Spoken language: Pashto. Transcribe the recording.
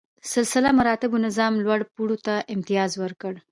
سلسله مراتبو نظام لوړ پوړو ته امتیاز ورکړ.